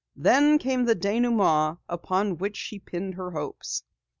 Then came the denouement upon which she pinned her hopes.